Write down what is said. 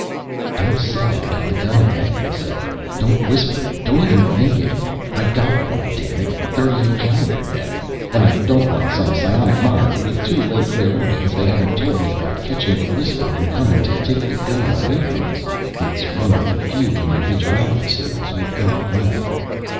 "Don't say that about the gun again," he said. "Don't whisper it, don't even think it. I've got one, dammit thirty eight caliber, yet and I don't want some psionic monitor with two way clairaudience they haven't told me about catching the whisper and coming to take the gun away from us. It's one of the few individuality symbols we've got left."